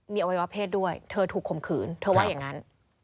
มีอวัยวะเพศด้วยเธอถูกข่มขืนเธอว่าอย่างนั้น